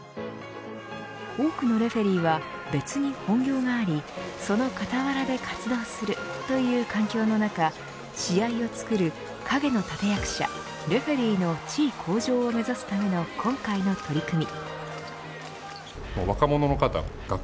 多くのレフェリーは別に本業がありその傍らで活動するという環境の中試合を作る陰の立役者レフェリーの地位向上を目指すための今回の取り組み。